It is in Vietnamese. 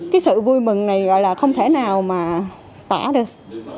cái sự vui mừng này gọi là không thể nào mà tả được